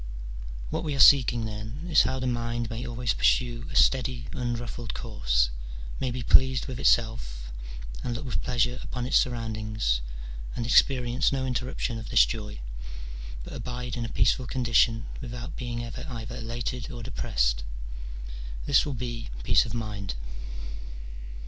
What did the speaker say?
What we are seeking, then, is how the mind may always pursue a steady, unruffled course, may be pleased with itself, and look with pleasure upon its surroundings, and experience no interruption of this joy, but abide in a peaceful condition without being ever either elated or depressed: this will be "peace of mind."